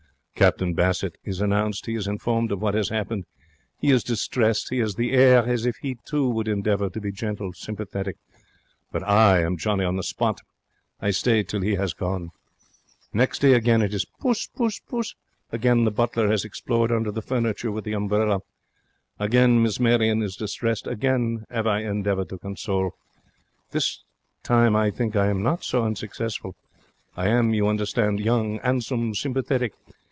Captain Bassett is announced. He is informed of what has 'appened. He is distressed. He has the air as if he, too, would endeavour to be gentle, sympathetic. But I am Johnny on the spot. I stay till he 'as gone. Next day again it is 'Puss, puss!' Again the butler has explored under the furniture with the umbrella. Again Miss Marion is distressed. Again 'ave I endeavoured to console. This time I think I am not so unsuccessful. I am, you understand, young, 'andsome, sympathetic.